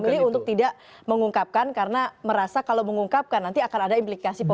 memilih untuk tidak mengungkapkan karena merasa kalau mengungkapkan nanti akan ada implikasi politik